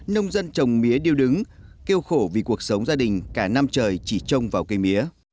nông dân trồng mía điêu đứng kêu khổ vì cuộc sống gia đình cả năm trời chỉ trông vào cây mía